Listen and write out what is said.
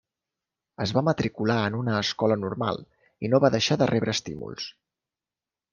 Es va matricular en una escola normal i no va deixar de rebre estímuls.